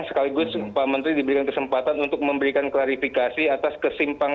sekaligus pak menteri diberikan kesalahan